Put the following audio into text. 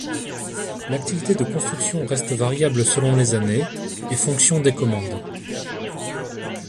L'activité de construction reste variable selon les années et fonction des commandes.